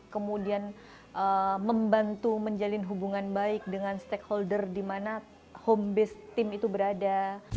kemudian membantu menjalin hubungan baik dengan stakeholder di mana home base team itu berada